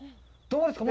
どうですか？